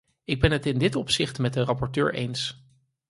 Ik ben het in dit opzicht met de rapporteur eens.